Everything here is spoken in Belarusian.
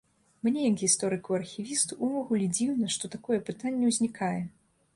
Мне як гісторыку-архівісту ўвогуле дзіўна, што такое пытанне ўзнікае.